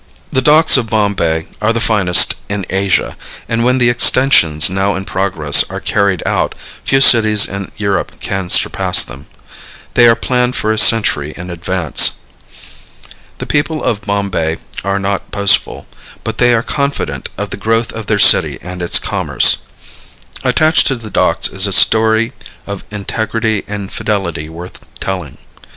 The docks of Bombay are the finest in Asia, and when the extensions now in progress are carried out few cities in Europe can surpass them. They are planned for a century in advance. The people of Bombay are not boastful, but they are confident of the growth of their city and its commerce. Attached to the docks is a story of integrity and fidelity worth telling.